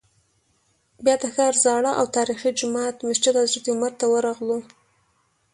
بیا د ښار زاړه او تاریخي جومات مسجد حضرت عمر ته ورغلو.